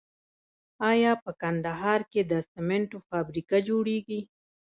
آیا په کندهار کې د سمنټو فابریکه جوړیږي؟